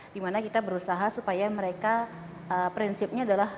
dimana kita berusaha supaya mereka prinsipnya adalah